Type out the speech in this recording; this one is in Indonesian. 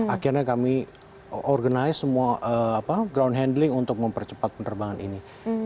akhirnya kami organize semua ground handling untuk mempercepat penerbangan ini